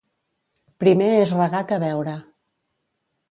Primer és regar que beure.